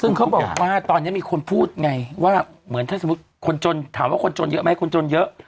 ซึ่งเขาบอกว่าตอนนี้มีคนพูดไงว่าเหมือนถ้าสมมุติคนจนถามว่าคนจนเยอะไหมคนจนเยอะ